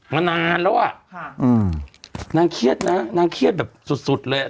มานานแล้วอะนางเครียดนะนางเครียดแบบสุดเลย